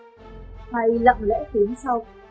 hay lặng lẽ tuyến sau